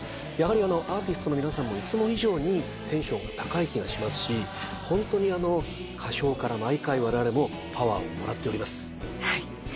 やはりアーティストの皆さんもいつも以上にテンションが高い気がしますしホントに歌唱から毎回われわれもパワーをもらっております。